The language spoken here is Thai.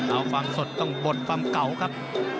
เอาฟังสดต้องบดฟังเก่าครับ